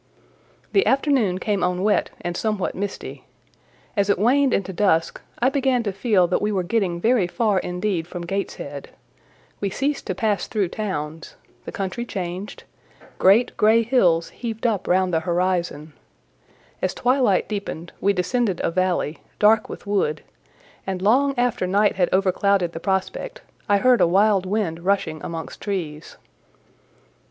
The afternoon came on wet and somewhat misty: as it waned into dusk, I began to feel that we were getting very far indeed from Gateshead: we ceased to pass through towns; the country changed; great grey hills heaved up round the horizon: as twilight deepened, we descended a valley, dark with wood, and long after night had overclouded the prospect, I heard a wild wind rushing amongst trees.